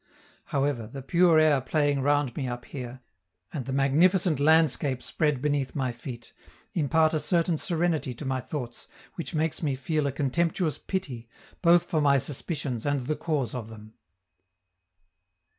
However, the pure air playing round me up here, and the magnificent landscape spread beneath my feet, impart a certain serenity to my thoughts which makes me feel a contemptuous pity, both for my suspicions and the cause of them.